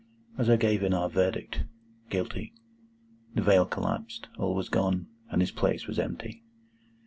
As I gave in our verdict, "Guilty," the veil collapsed, all was gone, and his place was empty.